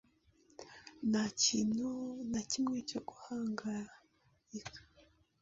Ntakintu nakimwe cyo guhangayika